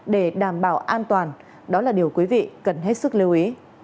để đảm bảo an toàn đó là điều quý vị cần hết sức lưu ý